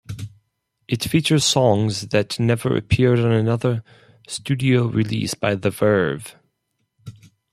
It features songs that never appeared on another studio release by The Verve.